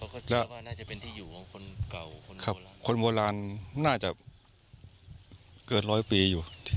คนโบราณน่าจะเกินร้อยปีอยู่